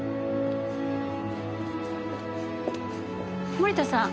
森田さん。